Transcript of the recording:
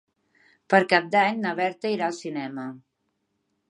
Per Cap d'Any na Berta irà al cinema.